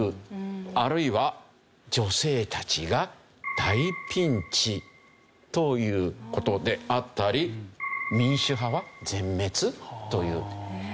あるいは女性たちが大ピンチ！という事であったり民主派は全滅！？という。